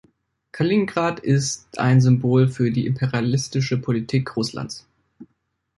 Kaliningrad ist ein Symbol für die imperialistische Politik Russlands.